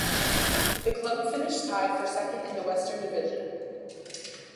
The club finished tied for second in the Western Division.